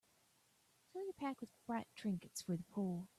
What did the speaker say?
Fill your pack with bright trinkets for the poor.